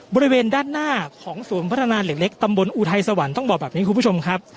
บริเวณด้านหน้าของศูนย์พัฒนาเหล็กตำบลอุทัยสวรรค์ต้องบอกแบบนี้คุณผู้ชมครับ